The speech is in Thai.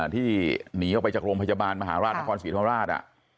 ที่หนีออกไปจากโรงพยาบาลมหาราชนครศรีธรรมราช